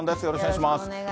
よろしくお願いします。